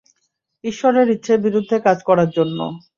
ঈশ্বরের ইচ্ছের বিরুদ্ধে কাজ করার জন্য!